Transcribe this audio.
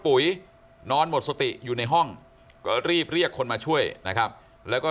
ปุ๋ยนอนหมดสติอยู่ในห้องก็รีบเรียกคนมาช่วยนะครับแล้วก็